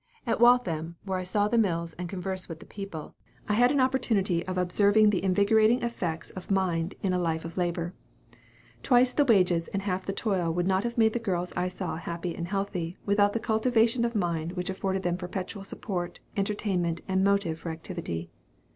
At Waltham, where I saw the mills, and conversed with the people, I had an opportunity of observing the invigorating effects of MIND in a life of labor. Twice the wages and half the toil would not have made the girls I saw happy and healthy, without that cultivation of mind which afforded them perpetual support, entertainment, and motive for activity.